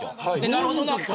なるほどなと。